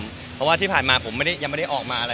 เพราะว่าที่ผ่านมาผมยังไม่ได้ออกมาอะไร